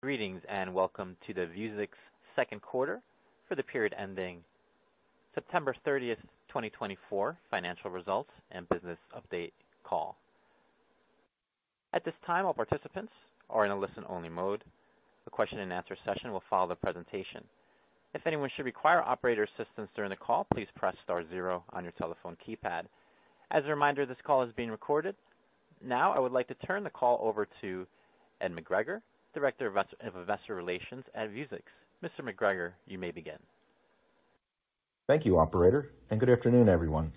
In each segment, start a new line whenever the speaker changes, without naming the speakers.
Greetings and welcome to the Vuzix second quarter for the period ending September 30th, 2024, financial results and business update call. At this time, all participants are in a listen-only mode. The question-and-answer session will follow the presentation. If anyone should require operator assistance during the call, please press star zero on your telephone keypad. As a reminder, this call is being recorded. Now, I would like to turn the call over to Ed McGregor, Director of Investor Relations at Vuzix. Mr. McGregor, you may begin.
Thank you, Operator, and good afternoon, everyone.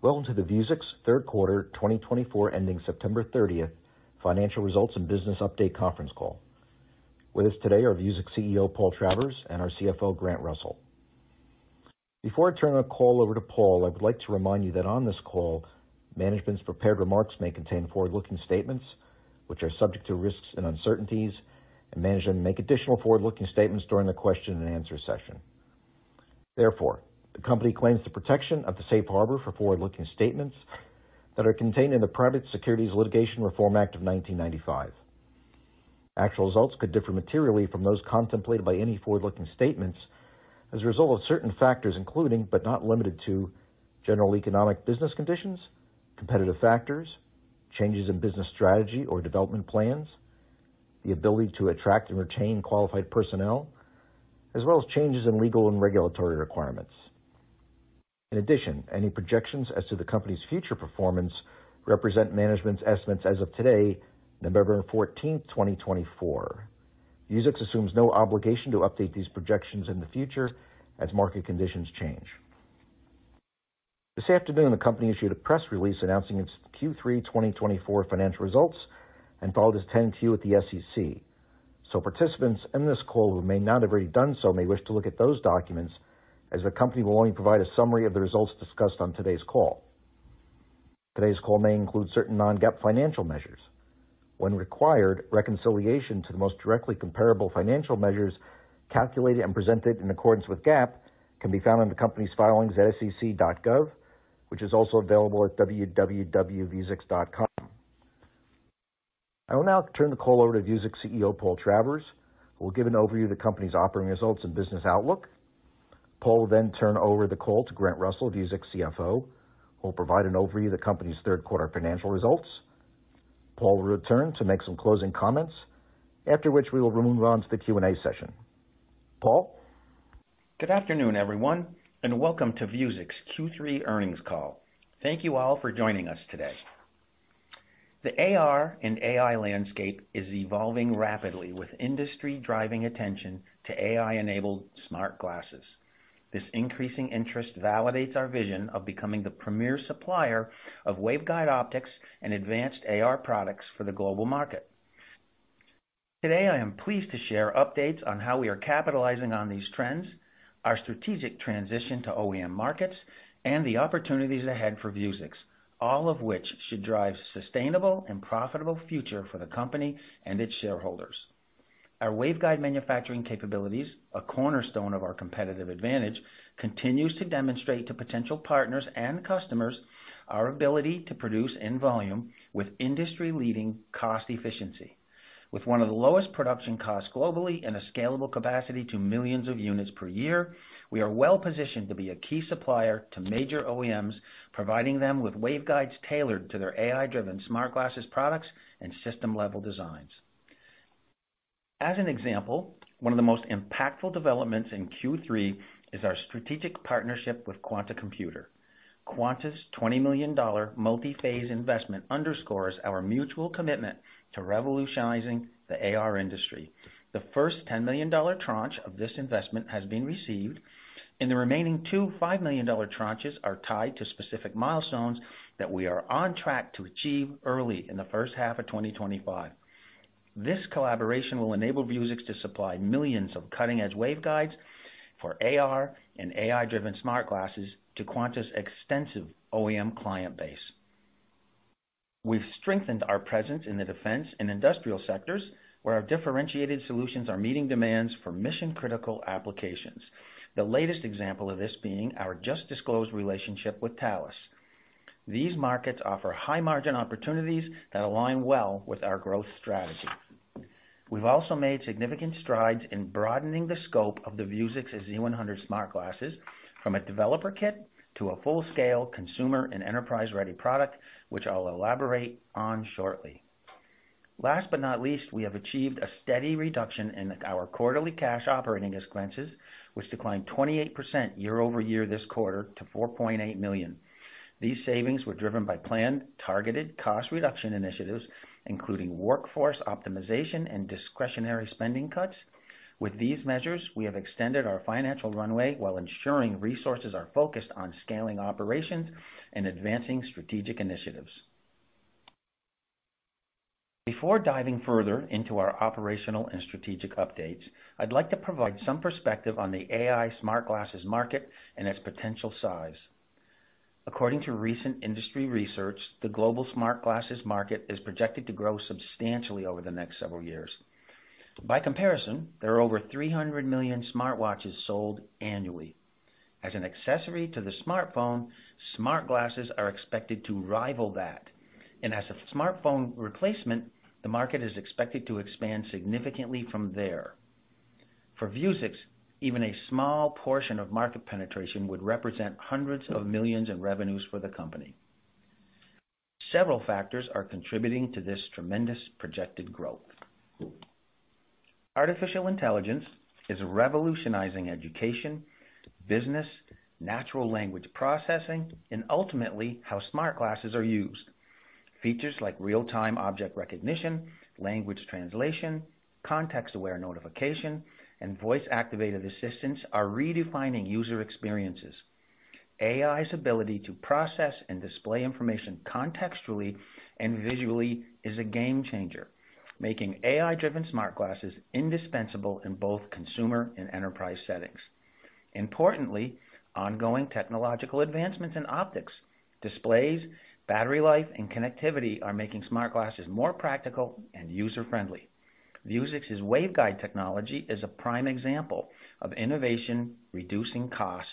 Welcome to the Vuzix third quarter 2024, ending September 30th, financial results and business update conference call. With us today are Vuzix CEO, Paul Travers, and our CFO, Grant Russell. Before I turn the call over to Paul, I would like to remind you that on this call, management's prepared remarks may contain forward-looking statements which are subject to risks and uncertainties, and management may make additional forward-looking statements during the question-and-answer session. Therefore, the company claims the protection of the safe harbor for forward-looking statements that are contained in the Private Securities Litigation Reform Act of 1995. Actual results could differ materially from those contemplated by any forward-looking statements as a result of certain factors, including, but not limited to, general economic business conditions, competitive factors, changes in business strategy or development plans, the ability to attract and retain qualified personnel, as well as changes in legal and regulatory requirements. In addition, any projections as to the company's future performance represent management's estimates as of today, November 14th, 2024. Vuzix assumes no obligation to update these projections in the future as market conditions change. This afternoon, the company issued a press release announcing its Q3 2024 financial results and filed its 10-Q with the SEC. Participants in this call who may not have already done so may wish to look at those documents, as the company will only provide a summary of the results discussed on today's call. Today's call may include certain non-GAAP financial measures. When required, reconciliation to the most directly comparable financial measures calculated and presented in accordance with GAAP can be found in the company's filings at sec.gov, which is also available at www.vuzix.com. I will now turn the call over to Vuzix CEO, Paul Travers, who will give an overview of the company's operating results and business outlook. Paul will then turn over the call to Grant Russell, Vuzix CFO, who will provide an overview of the company's third quarter financial results. Paul will return to make some closing comments, after which we will move on to the Q&A session. Paul?
Good afternoon, everyone, and welcome to Vuzix Q3 earnings call. Thank you all for joining us today. The AR and AI landscape is evolving rapidly, with industry driving attention to AI-enabled smart glasses. This increasing interest validates our vision of becoming the premier supplier of waveguide optics and advanced AR products for the global market. Today, I am pleased to share updates on how we are capitalizing on these trends, our strategic transition to OEM markets, and the opportunities ahead for Vuzix, all of which should drive a sustainable and profitable future for the company and its shareholders. Our waveguide manufacturing capabilities, a cornerstone of our competitive advantage, continue to demonstrate to potential partners and customers our ability to produce in volume with industry-leading cost efficiency. With one of the lowest production costs globally and a scalable capacity to millions of units per year, we are well-positioned to be a key supplier to major OEMs, providing them with waveguides tailored to their AI-driven smart glasses products and system-level designs. As an example, one of the most impactful developments in Q3 is our strategic partnership with Quanta Computer. Quanta's $20 million multi-phase investment underscores our mutual commitment to revolutionizing the AR industry. The first $10 million tranche of this investment has been received, and the remaining two $5 million tranches are tied to specific milestones that we are on track to achieve early in the first half of 2025. This collaboration will enable Vuzix to supply millions of cutting-edge waveguides for AR and AI-driven smart glasses to Quanta's extensive OEM client base. We've strengthened our presence in the defense and industrial sectors, where our differentiated solutions are meeting demands for mission-critical applications. The latest example of this being our just-disclosed relationship with Thales. These markets offer high-margin opportunities that align well with our growth strategy. We've also made significant strides in broadening the scope of the Vuzix Z100 smart glasses, from a developer kit to a full-scale consumer and enterprise-ready product, which I'll elaborate on shortly. Last but not least, we have achieved a steady reduction in our quarterly cash operating expenses, which declined 28% year-over-year this quarter to $4.8 million. These savings were driven by planned, targeted cost reduction initiatives, including workforce optimization and discretionary spending cuts. With these measures, we have extended our financial runway while ensuring resources are focused on scaling operations and advancing strategic initiatives. Before diving further into our operational and strategic updates, I'd like to provide some perspective on the AI smart glasses market and its potential size. According to recent industry research, the global smart glasses market is projected to grow substantially over the next several years. By comparison, there are over 300 million smart watches sold annually. As an accessory to the smartphone, smart glasses are expected to rival that, and as a smartphone replacement, the market is expected to expand significantly from there. For Vuzix, even a small portion of market penetration would represent hundreds of millions in revenues for the company. Several factors are contributing to this tremendous projected growth. Artificial intelligence is revolutionizing education, business, natural language processing, and ultimately how smart glasses are used. Features like real-time object recognition, language translation, context-aware notification, and voice-activated assistance are redefining user experiences. AI's ability to process and display information contextually and visually is a game changer, making AI-driven smart glasses indispensable in both consumer and enterprise settings. Importantly, ongoing technological advancements in optics, displays, battery life, and connectivity are making smart glasses more practical and user-friendly. Vuzix's waveguide technology is a prime example of innovation reducing costs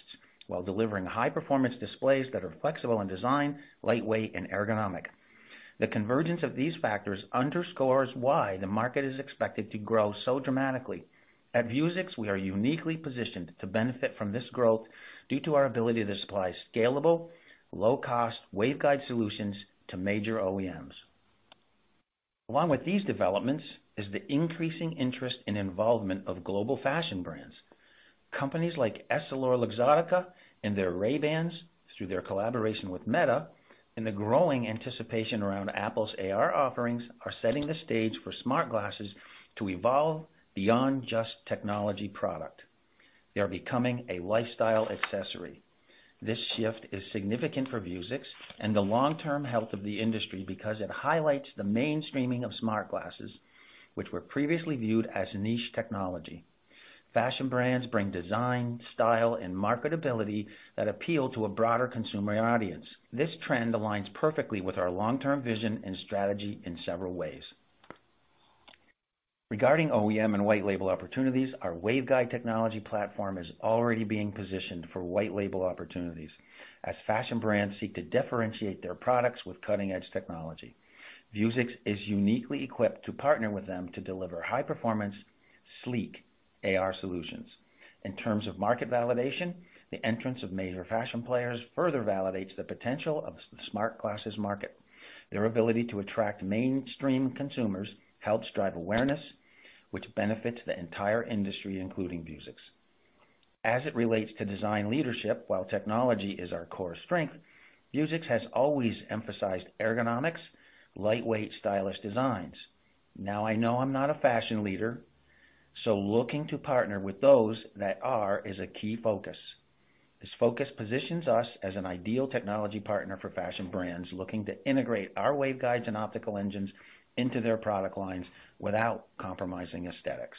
while delivering high-performance displays that are flexible in design, lightweight, and ergonomic. The convergence of these factors underscores why the market is expected to grow so dramatically. At Vuzix, we are uniquely positioned to benefit from this growth due to our ability to supply scalable, low-cost waveguide solutions to major OEMs. Along with these developments is the increasing interest and involvement of global fashion brands. Companies like EssilorLuxottica and their Ray-Bans, through their collaboration with Meta and the growing anticipation around Apple's AR offerings, are setting the stage for smart glasses to evolve beyond just technology product. They are becoming a lifestyle accessory. This shift is significant for Vuzix and the long-term health of the industry because it highlights the mainstreaming of smart glasses, which were previously viewed as niche technology. Fashion brands bring design, style, and marketability that appeal to a broader consumer audience. This trend aligns perfectly with our long-term vision and strategy in several ways. Regarding OEM and white-label opportunities, our waveguide technology platform is already being positioned for white-label opportunities as fashion brands seek to differentiate their products with cutting-edge technology. Vuzix is uniquely equipped to partner with them to deliver high-performance, sleek AR solutions. In terms of market validation, the entrance of major fashion players further validates the potential of the smart glasses market. Their ability to attract mainstream consumers helps drive awareness, which benefits the entire industry, including Vuzix. As it relates to design leadership, while technology is our core strength, Vuzix has always emphasized ergonomics, lightweight, stylish designs. Now I know I'm not a fashion leader, so looking to partner with those that are is a key focus. This focus positions us as an ideal technology partner for fashion brands looking to integrate our waveguides and optical engines into their product lines without compromising aesthetics.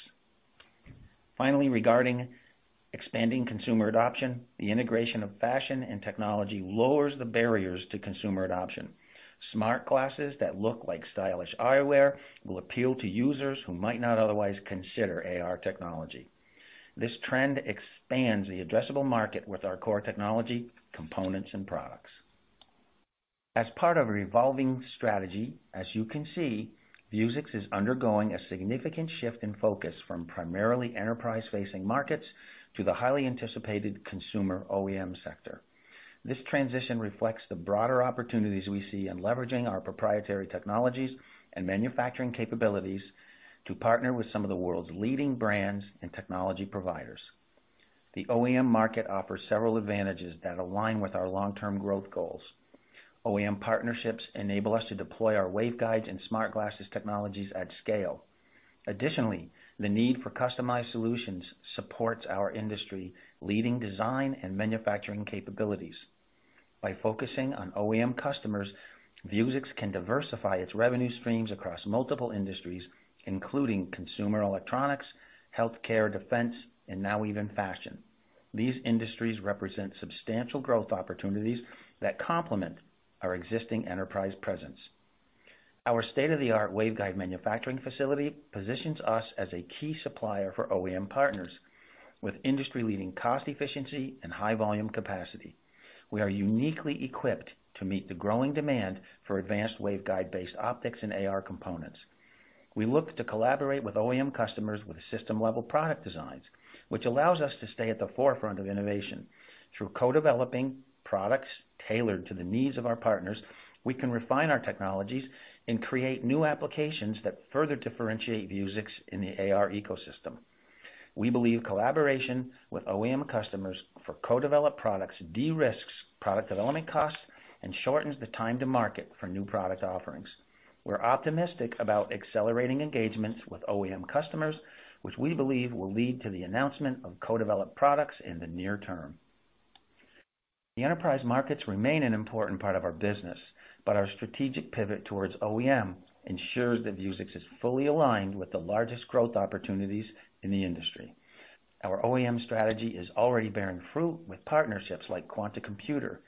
Finally, regarding expanding consumer adoption, the integration of fashion and technology lowers the barriers to consumer adoption. Smart glasses that look like stylish eyewear will appeal to users who might not otherwise consider AR technology. This trend expands the addressable market with our core technology, components, and products. As part of a revolving strategy, as you can see, Vuzix is undergoing a significant shift in focus from primarily enterprise-facing markets to the highly anticipated consumer OEM sector. This transition reflects the broader opportunities we see in leveraging our proprietary technologies and manufacturing capabilities to partner with some of the world's leading brands and technology providers. The OEM market offers several advantages that align with our long-term growth goals. OEM partnerships enable us to deploy our waveguides and smart glasses technologies at scale. Additionally, the need for customized solutions supports our industry-leading design and manufacturing capabilities. By focusing on OEM customers, Vuzix can diversify its revenue streams across multiple industries, including consumer electronics, healthcare, defense, and now even fashion. These industries represent substantial growth opportunities that complement our existing enterprise presence. Our state-of-the-art waveguide manufacturing facility positions us as a key supplier for OEM partners with industry-leading cost efficiency and high-volume capacity. We are uniquely equipped to meet the growing demand for advanced waveguide-based optics and AR components. We look to collaborate with OEM customers with system-level product designs, which allows us to stay at the forefront of innovation. Through co-developing products tailored to the needs of our partners, we can refine our technologies and create new applications that further differentiate Vuzix in the AR ecosystem. We believe collaboration with OEM customers for co-developed products de-risk product development costs and shortens the time to market for new product offerings. We're optimistic about accelerating engagements with OEM customers, which we believe will lead to the announcement of co-developed products in the near term. The enterprise markets remain an important part of our business, but our strategic pivot towards OEM ensures that Vuzix is fully aligned with the largest growth opportunities in the industry. Our OEM strategy is already bearing fruit with partnerships like Quanta Computer,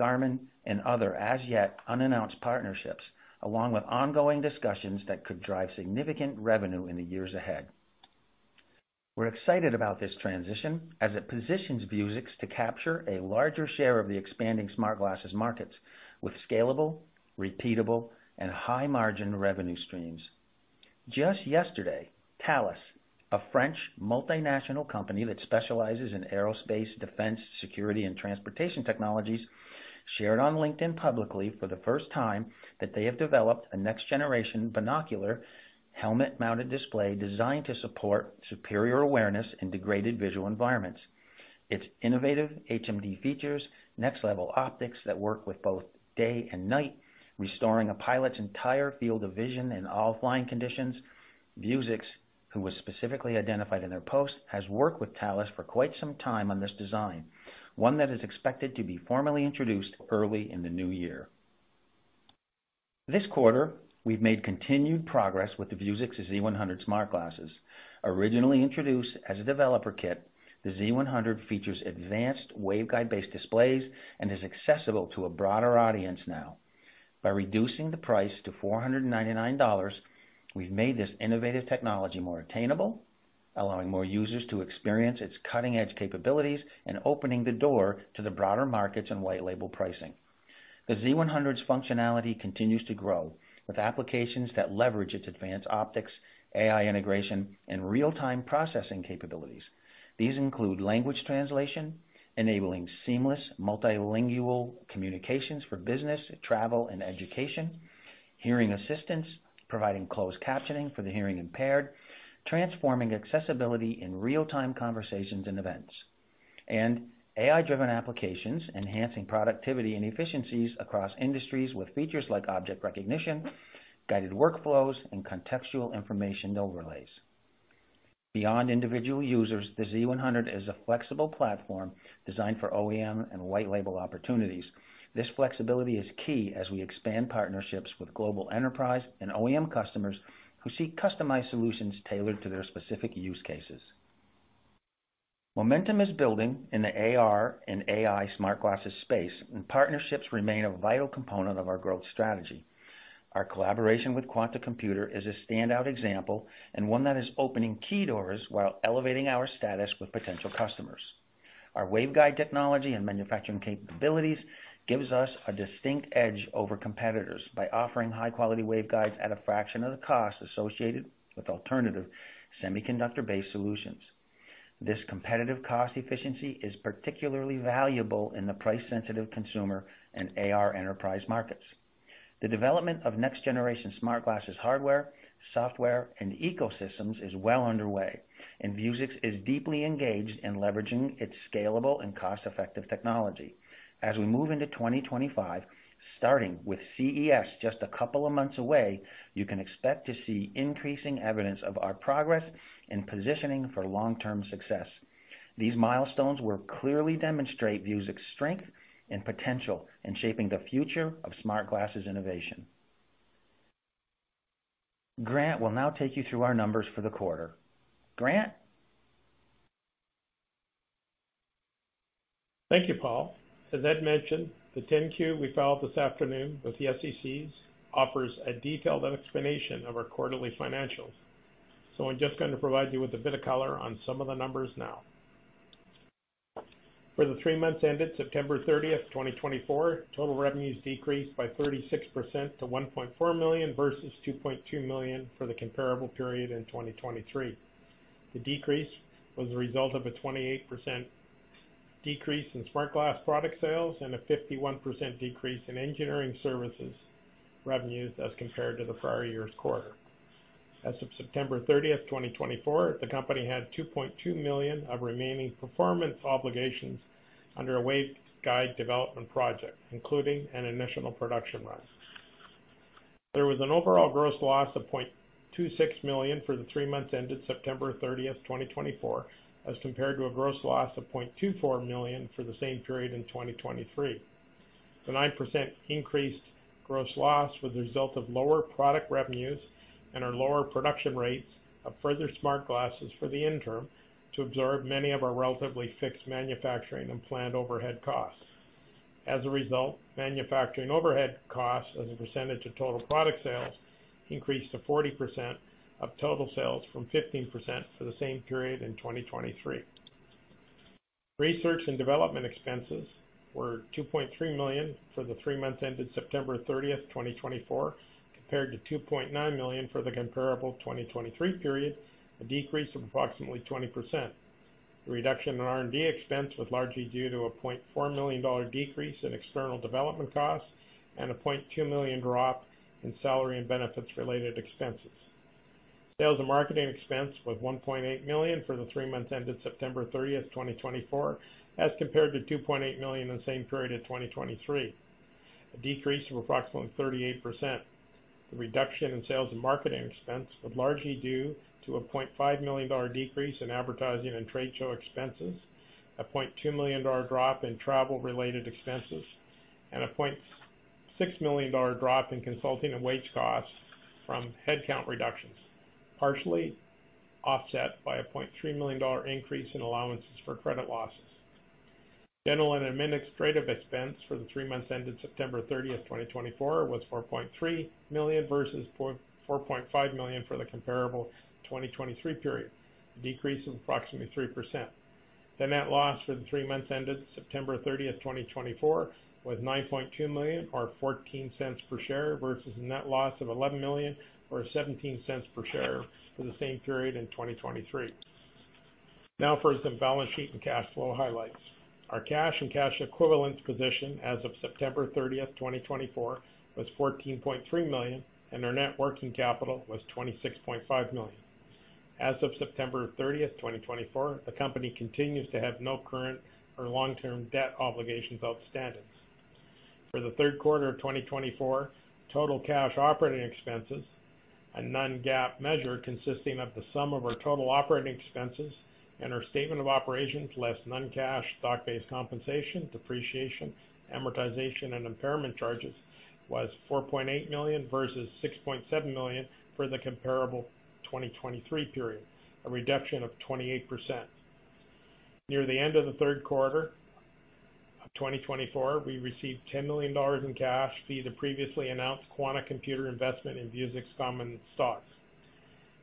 Garmin, and other as-yet unannounced partnerships, along with ongoing discussions that could drive significant revenue in the years ahead. We're excited about this transition as it positions Vuzix to capture a larger share of the expanding smart glasses markets with scalable, repeatable, and high-margin revenue streams. Just yesterday, Thales, a French multinational company that specializes in aerospace, defense, security, and transportation technologies, shared on LinkedIn publicly for the first time that they have developed a next-generation binocular helmet-mounted display designed to support superior awareness in degraded visual environments. Its innovative HMD features, next-level optics that work with both day and night, restoring a pilot's entire field of vision in all flying conditions. Vuzix, who was specifically identified in their post, has worked with Thales for quite some time on this design, one that is expected to be formally introduced early in the new year. This quarter, we've made continued progress with the Vuzix Z100 smart glasses. Originally introduced as a developer kit, the Z100 features advanced waveguide-based displays and is accessible to a broader audience now. By reducing the price to $499, we've made this innovative technology more attainable, allowing more users to experience its cutting-edge capabilities and opening the door to the broader markets and white-label pricing. The Z100's functionality continues to grow with applications that leverage its advanced optics, AI integration, and real-time processing capabilities. These include language translation, enabling seamless multilingual communications for business, travel, and education. Hearing assistance, providing closed captioning for the hearing impaired. Transforming accessibility in real-time conversations and events. And AI-driven applications, enhancing productivity and efficiencies across industries with features like object recognition, guided workflows, and contextual information overlays. Beyond individual users, the Z100 is a flexible platform designed for OEM and white-label opportunities. This flexibility is key as we expand partnerships with global enterprise and OEM customers who seek customized solutions tailored to their specific use cases. Momentum is building in the AR and AI smart glasses space, and partnerships remain a vital component of our growth strategy. Our collaboration with Quanta Computer is a standout example and one that is opening key doors while elevating our status with potential customers. Our waveguide technology and manufacturing capabilities give us a distinct edge over competitors by offering high-quality waveguides at a fraction of the cost associated with alternative semiconductor-based solutions. This competitive cost efficiency is particularly valuable in the price-sensitive consumer and AR enterprise markets. The development of next-generation smart glasses hardware, software, and ecosystems is well underway, and Vuzix is deeply engaged in leveraging its scalable and cost-effective technology. As we move into 2025, starting with CES just a couple of months away, you can expect to see increasing evidence of our progress and positioning for long-term success. These milestones will clearly demonstrate Vuzix's strength and potential in shaping the future of smart glasses innovation. Grant will now take you through our numbers for the quarter. Grant.
Thank you, Paul. As Ed mentioned, the 10-Q we filed this afternoon with the SEC offers a detailed explanation of our quarterly financials. I'm just going to provide you with a bit of color on some of the numbers now. For the three months ended September 30th, 2024, total revenues decreased by 36% to $1.4 million versus $2.2 million for the comparable period in 2023. The decrease was the result of a 28% decrease in smart glass product sales and a 51% decrease in engineering services revenues as compared to the prior year's quarter. As of September 30th, 2024, the company had $2.2 million of remaining performance obligations under a waveguide development project, including an initial production run. There was an overall gross loss of $0.26 million for the three months ended September 30th, 2024, as compared to a gross loss of $0.24 million for the same period in 2023. The 9% increased gross loss was the result of lower product revenues and our lower production rates of further smart glasses for the interim to absorb many of our relatively fixed manufacturing and planned overhead costs. As a result, manufacturing overhead costs as a percentage of total product sales increased to 40% of total sales from 15% for the same period in 2023. Research and development expenses were $2.3 million for the three months ended September 30th, 2024, compared to $2.9 million for the comparable 2023 period, a decrease of approximately 20%. The reduction in R&D expense was largely due to a $0.4 million decrease in external development costs and a $0.2 million drop in salary and benefits-related expenses. Sales and marketing expense was $1.8 million for the three months ended September 30th, 2024, as compared to $2.8 million in the same period of 2023, a decrease of approximately 38%. The reduction in sales and marketing expense was largely due to a $0.5 million decrease in advertising and trade show expenses, a $0.2 million drop in travel-related expenses, and a $0.6 million drop in consulting and wage costs from headcount reductions, partially offset by a $0.3 million increase in allowances for credit losses. General and administrative expense for the three months ended September 30th, 2024, was $4.3 million versus $4.5 million for the comparable 2023 period, a decrease of approximately 3%. The net loss for the three months ended September 30th, 2024, was $9.2 million or $0.14 per share versus a net loss of $11 million or $0.17 per share for the same period in 2023. Now for some balance sheet and cash flow highlights. Our cash and cash equivalents position as of September 30th, 2024, was $14.3 million, and our net working capital was $26.5 million. As of September 30th, 2024, the company continues to have no current or long-term debt obligations outstanding. For the third quarter of 2024, total cash operating expenses, a non-GAAP measure consisting of the sum of our total operating expenses and our statement of operations less non-cash stock-based compensation, depreciation, amortization, and impairment charges was $4.8 million versus $6.7 million for the comparable 2023 period, a reduction of 28%. Near the end of the third quarter of 2024, we received $10 million in cash via the previously announced Quanta Computer investment in Vuzix stocks.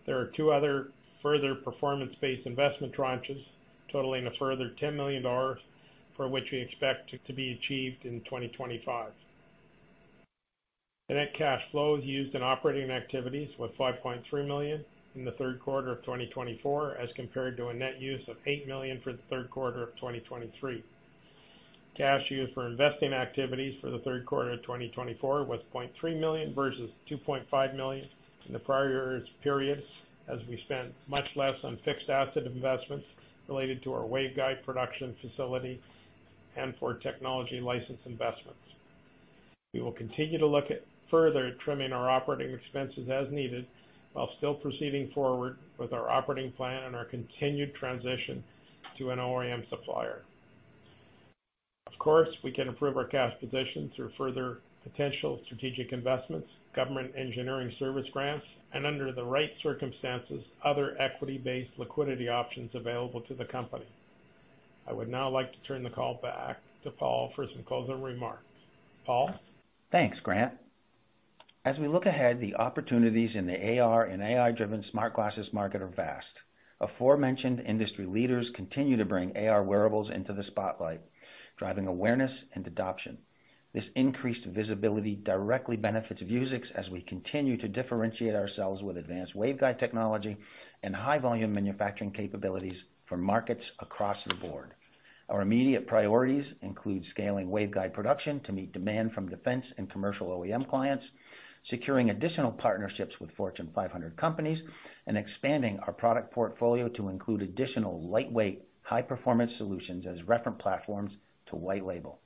There are two other further performance-based investment tranches totaling a further $10 million for which we expect to be achieved in 2025. The net cash flows used in operating activities were $5.3 million in the third quarter of 2024 as compared to a net use of $8 million for the third quarter of 2023. Cash used for investing activities for the third quarter of 2024 was $0.3 million versus $2.5 million in the prior year's periods as we spent much less on fixed asset investments related to our waveguide production facility and for technology license investments. We will continue to look at further trimming our operating expenses as needed while still proceeding forward with our operating plan and our continued transition to an OEM supplier. Of course, we can improve our cash position through further potential strategic investments, government engineering service grants, and under the right circumstances, other equity-based liquidity options available to the company. I would now like to turn the call back to Paul for some closing remarks. Paul.
Thanks, Grant. As we look ahead, the opportunities in the AR and AI-driven smart glasses market are vast. Aforementioned industry leaders continue to bring AR wearables into the spotlight, driving awareness and adoption. This increased visibility directly benefits Vuzix as we continue to differentiate ourselves with advanced waveguide technology and high-volume manufacturing capabilities for markets across the board. Our immediate priorities include scaling waveguide production to meet demand from defense and commercial OEM clients, securing additional partnerships with Fortune 500 companies, and expanding our product portfolio to include additional lightweight, high-performance solutions as reference platforms to white label.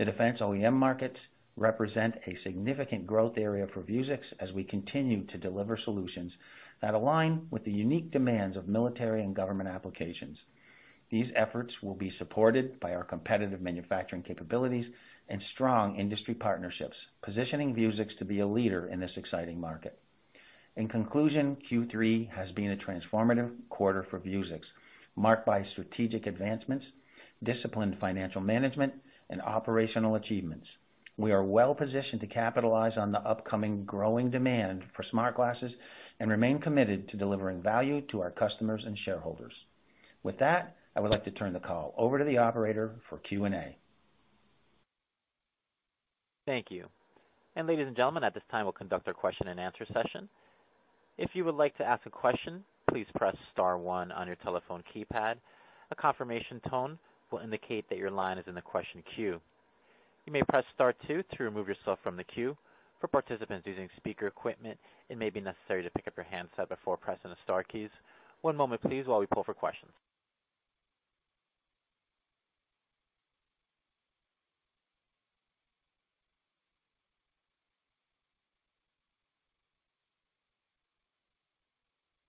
The defense OEM markets represent a significant growth area for Vuzix as we continue to deliver solutions that align with the unique demands of military and government applications. These efforts will be supported by our competitive manufacturing capabilities and strong industry partnerships, positioning Vuzix to be a leader in this exciting market. In conclusion, Q3 has been a transformative quarter for Vuzix, marked by strategic advancements, disciplined financial management, and operational achievements. We are well positioned to capitalize on the upcoming growing demand for smart glasses and remain committed to delivering value to our customers and shareholders. With that, I would like to turn the call over to the operator for Q&A.
Thank you. And ladies and gentlemen, at this time, we'll conduct our question-and-answer session. If you would like to ask a question, please press star one on your telephone keypad. A confirmation tone will indicate that your line is in the question queue. You may press star two to remove yourself from the queue. For participants using speaker equipment, it may be necessary to pick up your handset before pressing the star keys. One moment, please, while we pull for questions.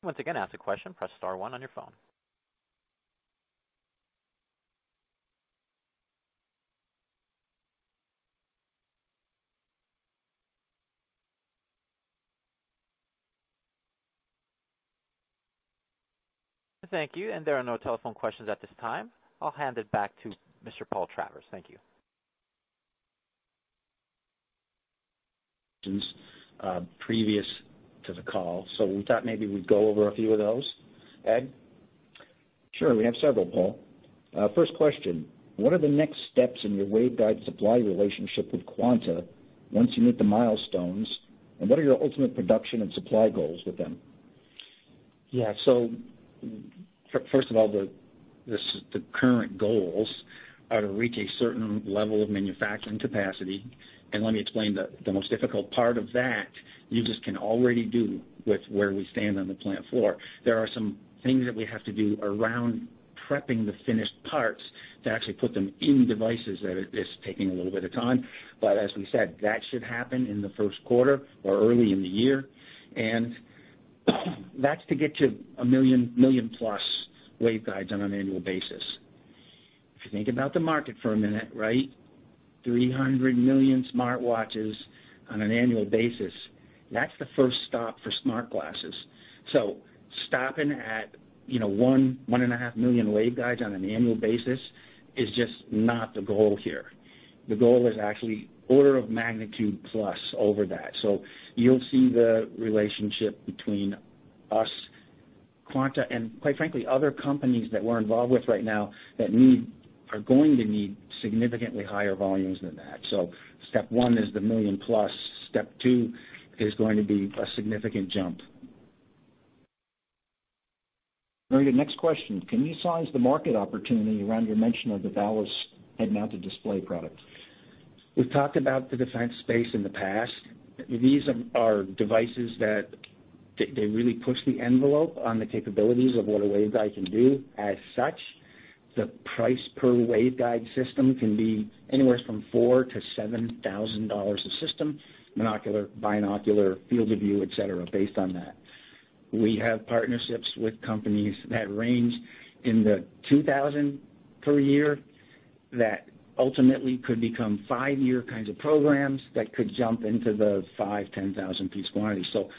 Once again, ask a question, press star one on your phone. Thank you. And there are no telephone questions at this time. I'll hand it back to Mr. Paul Travers. Thank you.
Questions previous to the call. So we thought maybe we'd go over a few of those. Ed?
Sure. We have several, Paul. First question: what are the next steps in your waveguide supply relationship with Quanta once you meet the milestones, and what are your ultimate production and supply goals with them?
Yeah. So first of all, the current goals are to reach a certain level of manufacturing capacity. And let me explain the most difficult part of that. You just can already do with where we stand on the plant floor. There are some things that we have to do around prepping the finished parts to actually put them in devices that are just taking a little bit of time. But as we said, that should happen in the first quarter or early in the year. That's to get to a million plus waveguides on an annual basis. If you think about the market for a minute, right? 300 million smart watches on an annual basis, that's the first stop for smart glasses. So stopping at 1.5 million waveguides on an annual basis is just not the goal here. The goal is actually order of magnitude plus over that. So you'll see the relationship between us, Quanta, and quite frankly, other companies that we're involved with right now that are going to need significantly higher volumes than that. So step one is the 1 million plus. Step two is going to be a significant jump.
Very good. Next question. Can you size the market opportunity around your mention of the Thales head-mounted display product?
We've talked about the defense space in the past. These are devices that really push the envelope on the capabilities of what a waveguide can do. As such, the price per waveguide system can be anywhere from $4,000-$7,000 a system, monocular, binocular, field of view, etc., based on that. We have partnerships with companies that range in the $2,000 per year that ultimately could become five-year kinds of programs that could jump into the 5,000, 10,000-piece quantity. So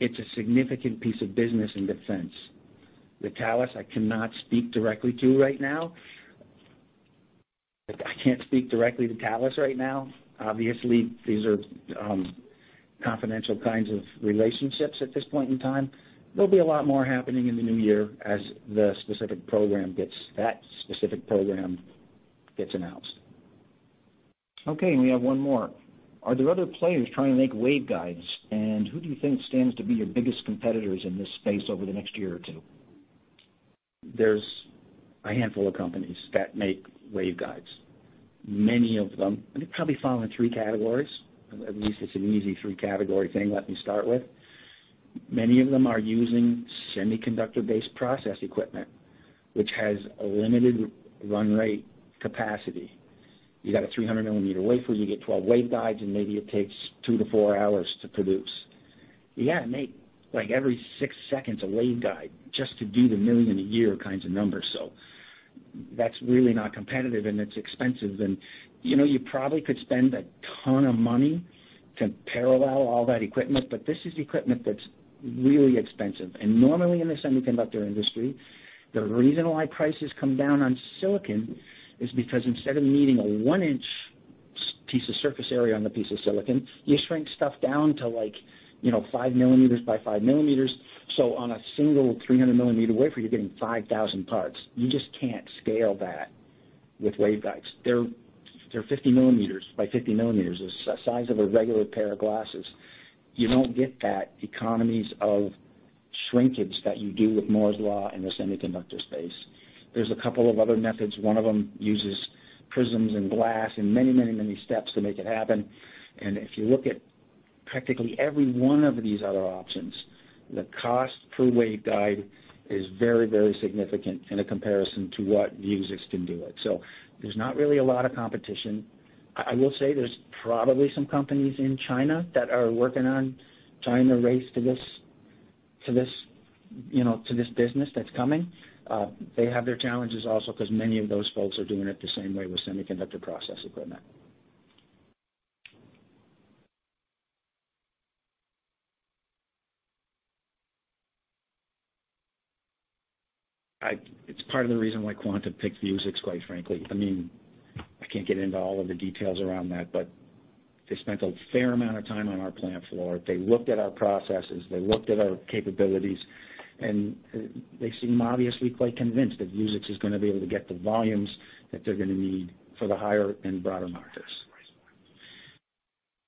it's a significant piece of business in defense. The Thales, I cannot speak directly to right now. I can't speak directly to Thales right now. Obviously, these are confidential kinds of relationships at this point in time. There'll be a lot more happening in the new year as that specific program gets announced.
Okay. And we have one more. Are there other players trying to make waveguides? Who do you think stands to be your biggest competitors in this space over the next year or two?
There's a handful of companies that make waveguides. Many of them, and they probably fall in three categories. At least it's an easy three-category thing, let me start with. Many of them are using semiconductor-based process equipment, which has a limited run rate capacity. You got a 300 mm wafer, you get 12 waveguides, and maybe it takes two to four hours to produce. You got to make every six seconds a waveguide just to do the million-a-year kinds of numbers. So that's really not competitive, and it's expensive. And you probably could spend a ton of money to parallel all that equipment, but this is equipment that's really expensive. Normally in the semiconductor industry, the reason why prices come down on silicon is because instead of needing a one-inch piece of surface area on the piece of silicon, you shrink stuff down to like 5 mm x 5 mm. So on a single 300 mm wafer, you're getting 5,000 parts. You just can't scale that with waveguides. They're 50 mm x 50 mm. It's the size of a regular pair of glasses. You don't get that economies of shrinkage that you do with Moore's Law in the semiconductor space. There's a couple of other methods. One of them uses prisms and glass and many, many, many steps to make it happen. And if you look at practically every one of these other options, the cost per waveguide is very, very significant in comparison to what Vuzix can do. So there's not really a lot of competition. I will say there's probably some companies in China that are working on China's race to this business that's coming. They have their challenges also because many of those folks are doing it the same way with semiconductor process equipment. It's part of the reason why Quanta picked Vuzix, quite frankly. I mean, I can't get into all of the details around that, but they spent a fair amount of time on our plant floor. They looked at our processes. They looked at our capabilities, and they seem obviously quite convinced that Vuzix is going to be able to get the volumes that they're going to need for the higher-end broader markets.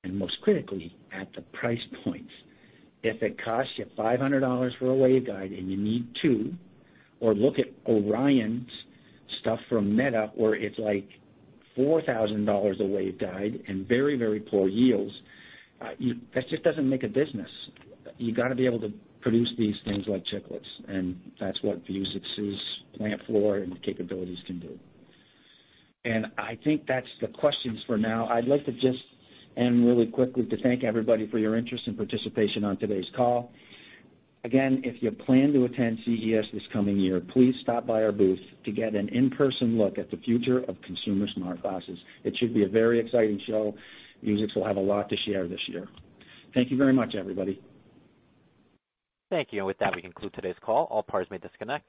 And most critically, at the price point, if it costs you $500 for a waveguide and you need two, or look at Orion's stuff from Meta where it's like $4,000 a waveguide and very, very poor yields, that just doesn't make a business. You got to be able to produce these things like Chiclets, and that's what Vuzix's plant floor and capabilities can do.
And I think that's the questions for now. I'd like to just end really quickly to thank everybody for your interest and participation on today's call. Again, if you plan to attend CES this coming year, please stop by our booth to get an in-person look at the future of consumer smart glasses. It should be a very exciting show. Vuzix will have a lot to share this year. Thank you very much, everybody.
Thank you. And with that, we conclude today's call. All parties may disconnect.